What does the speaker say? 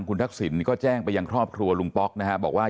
คุณทักษิณก็แจ้งไปยังครอบครัวลุงป๊อกนะฮะบอกว่า